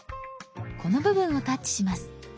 この部分をタッチします。